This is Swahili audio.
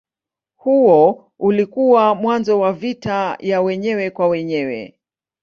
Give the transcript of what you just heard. Huo ulikuwa mwanzo wa vita ya wenyewe kwa wenyewe.